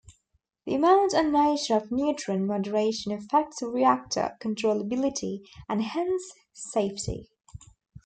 The amount and nature of neutron moderation affects reactor controllability and hence safety.